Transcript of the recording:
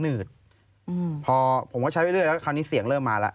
หนืดอืมพอผมก็ใช้ไว้เรื่อยเรื่อยแล้วคราวนี้เสียงเริ่มมาแล้ว